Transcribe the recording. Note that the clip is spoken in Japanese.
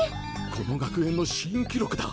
この学園の新記録だ